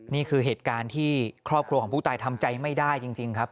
นี่คือเหตุการณ์ที่ครอบครัวของผู้ตายทำใจไม่ได้จริงครับ